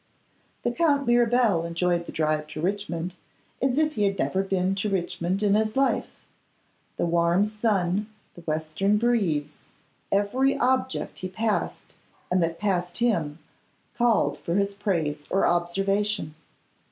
The Count Mirabel enjoyed the drive to Richmond as if he had never been to Richmond in his life. The warm sun, the western breeze, every object he passed and that passed him called for his praise or observation.